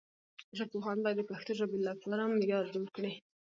ژبپوهان باید د پښتو لپاره معیار جوړ کړي.